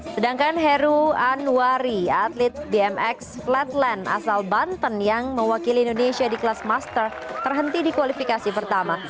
sedangkan heru anwari atlet bmx flatland asal banten yang mewakili indonesia di kelas master terhenti di kualifikasi pertama